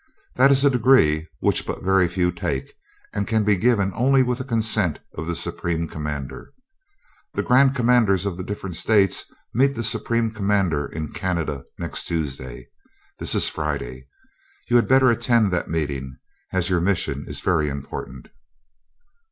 That is a degree which but very few take, and can be given only with the consent of the Supreme Commander. The Grand Commanders of the different states meet the Supreme Commander in Canada next Tuesday. This is Friday. You had better attend that meeting, as your mission is very important."